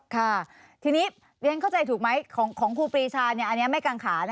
ค่ะทีนี้เรียนเข้าใจถูกไหมของครูปรีชาอันนี้ไม่กังขา